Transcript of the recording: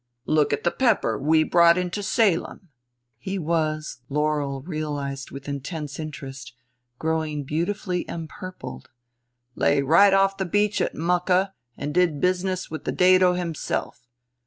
"Look at the pepper we brought into Salem " he was, Laurel realized with intense interest, growing beautifully empurpled; " lay right off the beach at Mukka and did business with the Dato himself.